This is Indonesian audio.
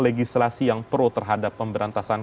legislasi yang pro terhadap pemberantasan